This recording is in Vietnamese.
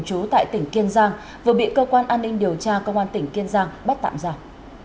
chú tại tỉnh kiên giang vừa bị cơ quan an ninh điều tra công an tỉnh kiên giang bắt tạm giả